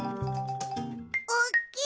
おっきい。